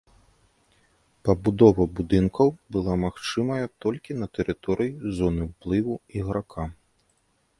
Пабудова будынкаў была магчымая толькі на тэрыторыі зоны ўплыву іграка.